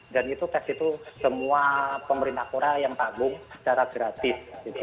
dan itu tes itu semua pemerintah korea yang pabung secara gratis